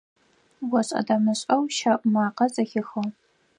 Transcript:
ОшӀэ-дэмышӀэу щэӀу макъэ зэхихыгъ.